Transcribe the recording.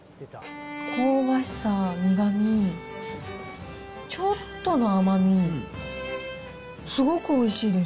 香ばしさ、苦み、ちょっとの甘み、すごくおいしいです。